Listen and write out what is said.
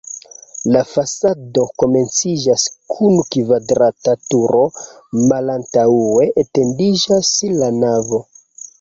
La fasado komenciĝas kun kvadrata turo, malantaŭe etendiĝas la navo.